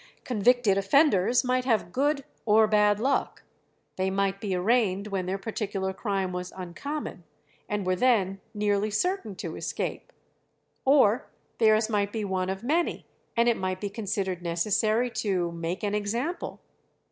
Convicted offenders might have good or bad luck; they might be arraigned when their particular crime was uncommon, and were then nearly certain to escape; or theirs might be one of many, and it might be considered necessary to "make an example."